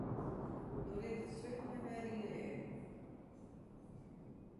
No rint it swit my wer yn 'e eagen.